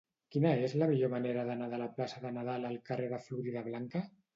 Quina és la millor manera d'anar de la plaça de Nadal al carrer de Floridablanca?